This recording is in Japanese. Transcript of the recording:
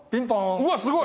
うわっすごい！